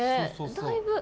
だいぶ。